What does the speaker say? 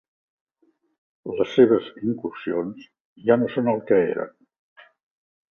Les seves incursions ja no són el que eren.